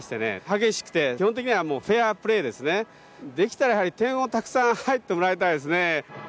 激しくて基本的にはもうフェアプレーですねできたらやはり点をたくさん入ってもらいたいですね